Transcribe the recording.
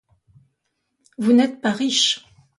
Vous n'êtes pas riche.